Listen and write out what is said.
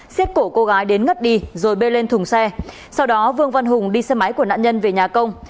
xiết cổ cô gái đến ngất đi rồi bơi lên thùng xe sau đó vương văn hùng đi xe máy của nạn nhân về nhà công